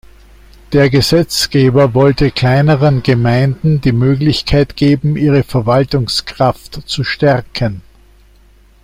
Der Gesetzgeber wollte kleineren Gemeinden die Möglichkeit geben, ihre Verwaltungskraft zu stärken.